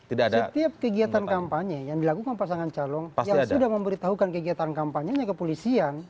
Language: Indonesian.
setiap kegiatan kampanye yang dilakukan pasangan calon yang sudah memberitahukan kegiatan kampanyenya kepolisian